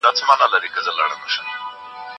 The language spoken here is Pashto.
زه پرون د کتابتون پاکوالی کوم!